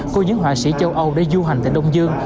của những họa sĩ châu âu để du hành tại đông dương